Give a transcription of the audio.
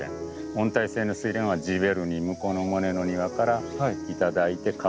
温帯性のスイレンはジヴェルニー向こうのモネの庭から頂いて株分けをしてきて。